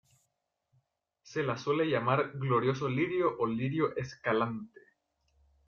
Se la suele llamar Glorioso lirio o lirio escalante.